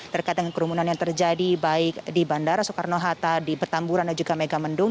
terkait dengan kerumunan yang terjadi baik di bandara soekarno hatta di petamburan dan juga megamendung